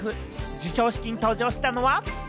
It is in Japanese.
授賞式に登場したのは。